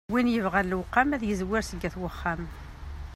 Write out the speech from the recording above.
Win yebɣan lewqam, yezwir seg at wexxam.